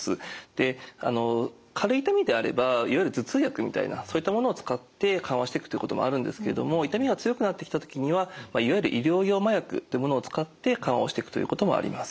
で軽い痛みであればいわゆる頭痛薬みたいなそういったものを使って緩和していくっていうこともあるんですけども痛みが強くなってきた時にはいわゆる医療用麻薬ってものを使って緩和をしていくということもあります。